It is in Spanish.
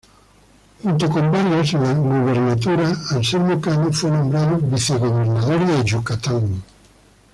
Junto con Vargas en la gubernatura, Anselmo Cano fue nombrado vicegobernador de Yucatán.